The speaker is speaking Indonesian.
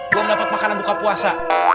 belum dapat makanan buka puasa